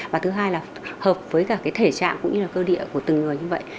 và thứ hai là hợp với cả cái thể trạng cũng như là cơ địa của từng người như vậy